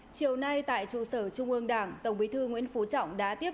chiều nay tại trụ sở trung ương đảng tổng bí thư nguyễn phú trọng đã tiếp